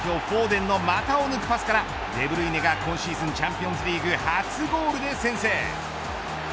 フォーデンの股を抜くパスからデブルイネが今シーズンチャンピオンズリーグ初ゴールで先制。